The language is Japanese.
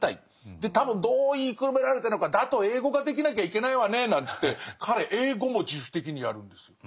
で多分どう言いくるめられたのか「だと英語ができなきゃいけないわね」なんていって彼英語も自主的にやるんですよ。